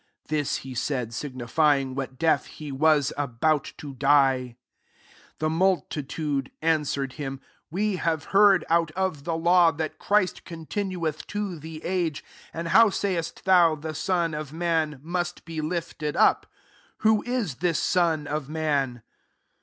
33 (This he said, signifying what death he was about to die.) • 34 The multitude answered him, " We have heard, out of the law, that Christ continueth to the age: and how sayest thou, ^The Son of man must be lifted up ?' Who is this Son of man